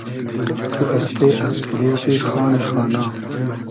تو استې از اوروغی خانی خانا